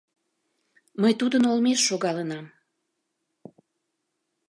Мый тудын олмеш шогалынам.